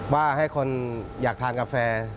ว่าให้คนอยากทานกาแฟ